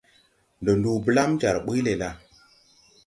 Ndɔ nduu blam jar ɓuy le la ?